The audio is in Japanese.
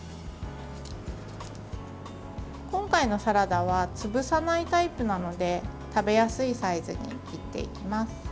今回のサラダは潰さないタイプなので食べやすいサイズに切っていきます。